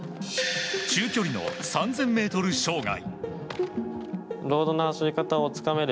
中距離の３０００ｍ障害。